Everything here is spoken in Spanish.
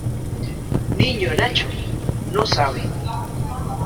niño Nacho, no sabe?